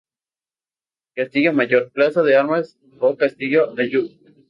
Castillo Mayor, plaza de armas o castillo de Ayyub